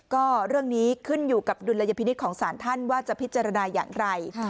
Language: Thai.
ก็เรื่องนี้ขึ้นอยู่กับดุลยพินิษฐ์ของสารท่านว่าจะพิจารณาอย่างไร